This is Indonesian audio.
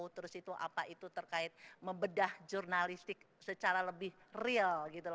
terus itu apa itu terkait membedah jurnalistik secara lebih real gitu loh